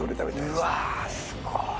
うわすごーい。